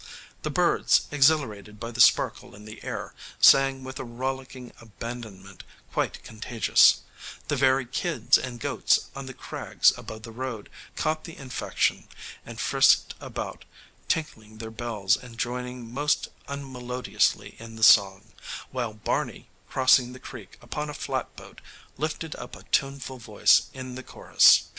The birds, exhilarated by the sparkle in the air, sang with a rollicking abandonment quite contagious: the very kids and goats on the crags above the road caught the infection and frisked about, tinkling their bells and joining most unmelodiously in the song; while Barney, crossing the creek upon a flatboat, lifted up a tuneful voice in the chorus.